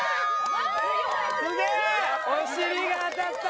お尻が当たった。